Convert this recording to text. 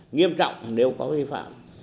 nghiêm trọng nếu có vi phạm